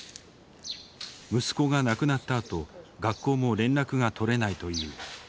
息子が亡くなったあと学校も連絡が取れないという。